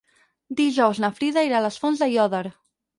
Dijous na Frida irà a les Fonts d'Aiòder.